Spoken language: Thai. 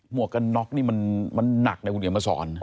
วกกันน็อกนี่มันหนักนะคุณเดี๋ยวมาสอน